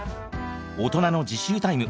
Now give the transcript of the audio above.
大人の自習タイム